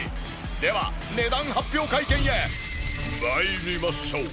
では値段発表会見へ参りましょう。